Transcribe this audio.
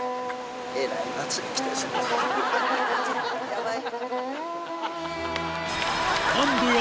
ヤバい。